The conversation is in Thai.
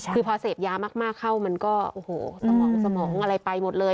คือพอเสพยามากเข้ามันก็สมองอะไรไปหมดเลย